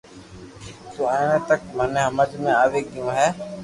تو ايتي تڪ تو مني ھمج ۾ آوئي گيو ھي